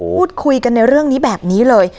พูดคุยกันในเรื่องนี้แบบนี้เลย